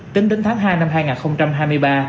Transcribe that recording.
tính đến tháng hai năm hai nghìn hai mươi ba